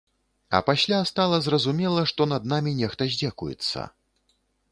А пасля стала зразумела, што над намі нехта здзекуецца.